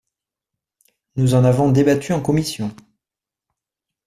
Nous en avons débattu en commission.